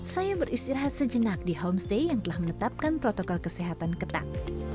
saya beristirahat sejenak di homestay yang telah menetapkan protokol kesehatan ketat